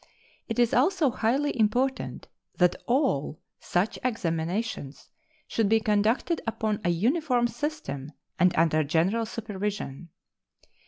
It is also highly important that all such examinations should be conducted upon a uniform system and under general supervision.